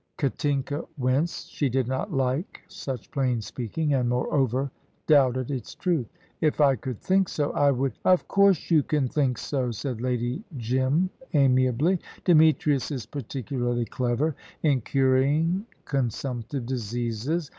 Katinka winced. She did not like such plain speaking, and, moreover, doubted its truth. "If I could think so, I would " "Of course you can think so," said Lady Jim, amiably. "Demetrius is particularly clever in curing consumptive diseases.